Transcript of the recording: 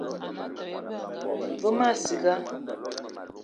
Ve ma ciga